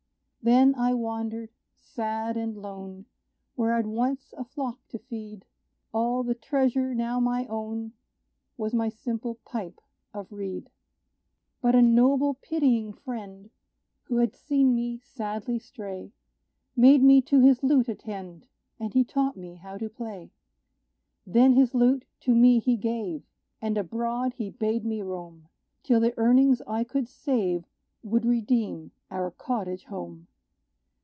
Then I wandered, sad and lone, Where I'd once a flock to feed; All the treasure now my own Was my simple pipe of reed. But a noble, pitying friend, Who had seen me sadly stray, Made me to his lute attend; And he taught me how to play. Then his lute to me he gave; And abroad he bade me roam, Till the earnings I could save Would redeem our cottage home.